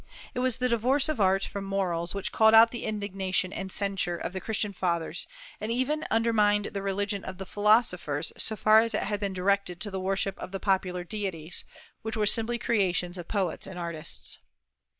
It was the divorce of art from morals which called out the indignation and censure of the Christian fathers, and even undermined the religion of philosophers so far as it had been directed to the worship of the popular deities, which were simply creations of poets and artists.